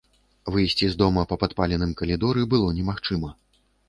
Выйсці з дома па падпаленым калідоры было немагчыма.